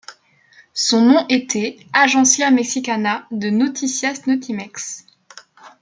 Son nom était Agencia Mexicana de Noticias Notimex.